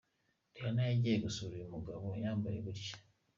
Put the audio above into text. Rihanna yagiye gusura uyu mugabo yambaye gutya !.